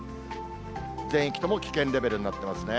全域とも危険レベルになってますね。